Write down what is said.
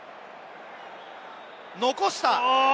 残した！